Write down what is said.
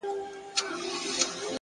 • ځان یې دروند سو لکه کاڼی په اوبو کي,